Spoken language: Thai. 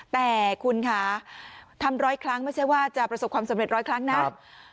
แต่คุณคะทำร้อยครั้งไม่ใช่ว่าจะประสบความสำเร็จร้อยครั้งนะ